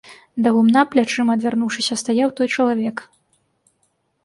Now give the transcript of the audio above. Да гумна плячыма адвярнуўшыся стаяў той чалавек.